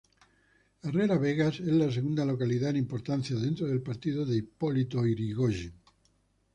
Herrera Vegas es la segunda localidad en importancia dentro del partido de Hipólito Yrigoyen.